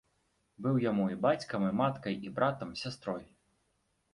Быў яму і бацькам, і маткай, і братам, сястрой.